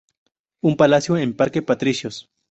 Un palacio, en Parque Patricios.